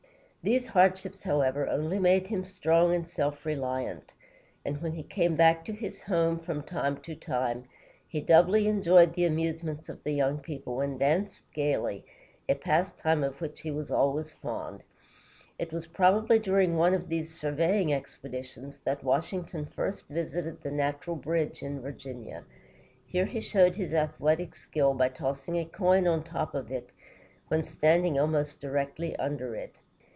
] These hardships, however, only made him strong and self reliant, and when he came back to his home, from time to time, he doubly enjoyed the amusements of the young people, and danced gayly, a pastime of which he was always fond. It was probably during one of these surveying expeditions that Washington first visited the Natural Bridge in Virginia. Here he showed his athletic skill by tossing a coin on top of it when standing almost directly under it.